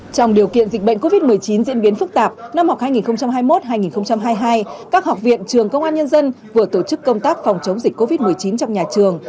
trong điều kiện dịch bệnh covid một mươi chín diễn biến phức tạp năm học hai nghìn hai mươi một hai nghìn hai mươi hai các học viện trường công an nhân dân vừa tổ chức công tác phòng chống dịch covid một mươi chín trong nhà trường